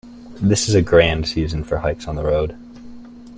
This is a grand season for hikes on the road.